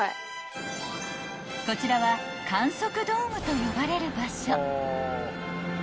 ［こちらは観測ドームと呼ばれる場所］